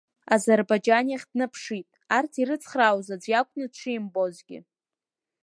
Азарбаџьан иахь днаԥшит, арҭ ирыцхраауаз аӡә иакәны дшимбозгьы.